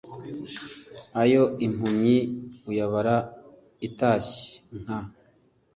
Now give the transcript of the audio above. Ayo impumyi uyabara itashye (inka).